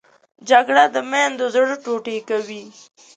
جګړه د میندو زړه ټوټې کوي